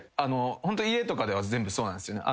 ホント家とかでは全部そうなんすよね。